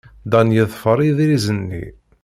Dan yeḍfer idrizen-nni.